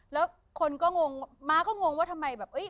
แล้วคนก็งงม้าก็งงว่าทำไมแบบ